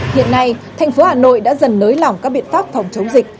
hiện nay thành phố hà nội đã dần nới lỏng các biện pháp phòng chống dịch